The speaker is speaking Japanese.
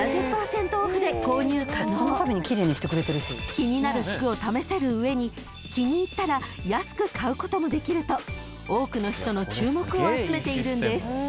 ［気になる服を試せる上に気に入ったら安く買うこともできると多くの人の注目を集めているんです］